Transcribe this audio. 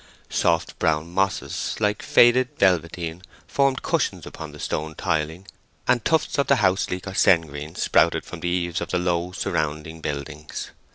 Soft brown mosses, like faded velveteen, formed cushions upon the stone tiling, and tufts of the houseleek or sengreen sprouted from the eaves of the low surrounding buildings.